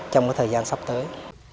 trong cái thời gian sắp tới